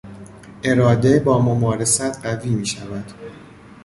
اراده با ممارست قوی میشود.